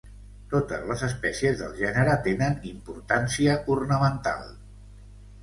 Totes les espècies del gènere tenen importància ornamental.